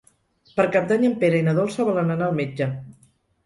Per Cap d'Any en Pere i na Dolça volen anar al metge.